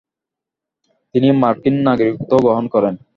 তিনি মার্কিন নাগরিকত্বও গ্রহণ করেন।